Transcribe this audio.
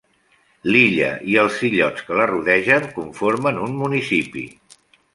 L'illa i els illots que la rodegen conformen un municipi.